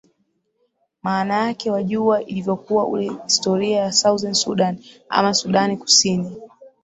maanake wajua ilivyokuwa ule historia ya southern sudan ama sudan kusini